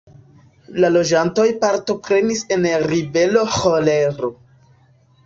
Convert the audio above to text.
La loĝantoj partoprenis en ribelo ĥolero.